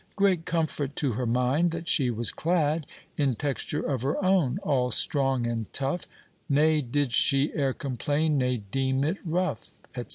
Great comfort to her mind that she was clad In texture of her own, all strong and tough; Ne did she e'er complain, ne deem it rough, &c.